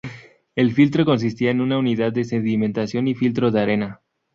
El filtro consistía en una unidad de sedimentación y filtro de arena.